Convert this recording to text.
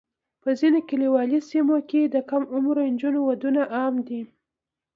په ځینو کلیوالي سیمو کې د کم عمره نجونو ودونه عام دي.